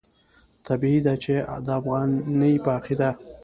طبیعي ده چې د افغاني په عقیده.